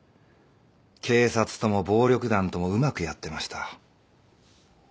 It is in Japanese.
警察とも暴力団ともうまくやってました。